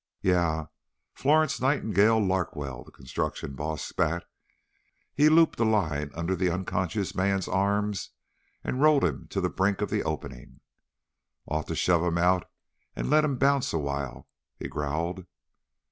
"Yeah, Florence Nightingale Larkwell," the construction boss spat. He looped a line under the unconscious man's arms and rolled him to the brink of the opening. "Ought to shove him out and let him bounce a while," he growled.